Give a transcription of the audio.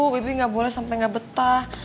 bibik gak boleh sampe gak betah